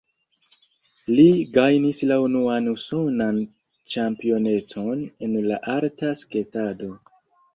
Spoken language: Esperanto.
Li gajnis la unuan usonan ĉampionecon en la arta sketado.